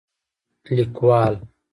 لیکوال: